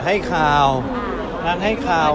ให้ข่าวนั้นให้ข่าว